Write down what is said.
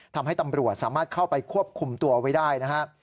ทำให้ตำรวจสามารถเข้าไปควบคุมตัวไว้ได้นะครับ